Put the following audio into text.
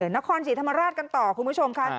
นครศรีธรรมราชกันต่อคุณผู้ชมค่ะ